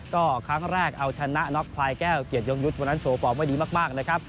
ก็ครั้งแรกเอาชนะน็อกพลายแก้วเกียรติยงยุทธ์วันนั้นโชว์ฟอร์มไว้ดีมากนะครับ